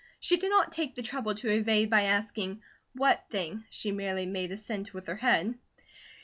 She did not take the trouble to evade by asking "what thing?" she merely made assent with her head.